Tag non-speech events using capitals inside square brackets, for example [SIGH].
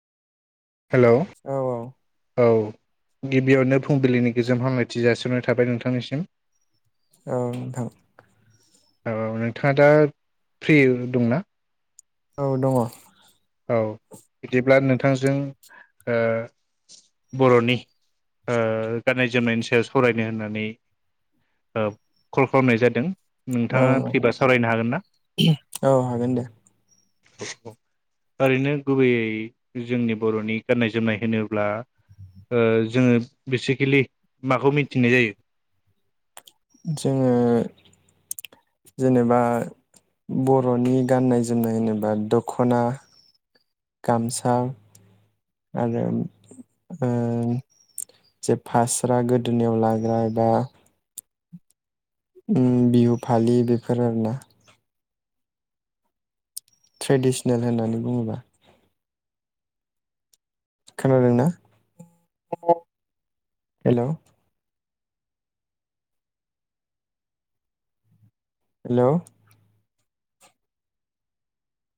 Hello औ औ गिबियावनो फुंबिलिनि गोजोम हामलायथि जासिननाय थाबाय नोंथांनिसिम। औ नोंथां औ नोंथाङा दा फ्रि दंना? औ दङ। औ बिदिब्ला नोंथांजों ओ बर'नि ओ गाननाय-जोमनायनि सायाव सावरायनो होननानै कल खालामनाय जादों। औ नोंथाङा फ्रिबा सावरायनो हागोन ना औ हागोन दे। [INAUDIBLE] ओरैनो गुबैयै जोंनि बर'नि गाननाय-जोमनाय होनोब्ला जोङो बेसिकेलि माखौ मिथिनाय जायो? जोङो जेनेबा बर'नि गाननाय जोमनाय नोबा द'खना गामसा आरो ओ जे फास्रा गोदोनियाव लाग्रा एबा ओ बिहु फालि बेफोर आरोना। ट्रेडिसनेल होननानै बुङोब्ला। खोनादोंना हेलौ हेल'